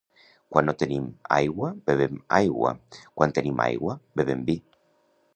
Quan no tenim aigua, bevem aigua, quan tenim aigua, bevem vi.